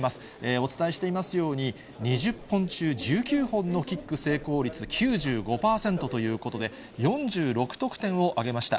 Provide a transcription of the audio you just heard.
お伝えしていますように、２０本中１９本のキック成功率９５％ということで、４６得点を挙げました。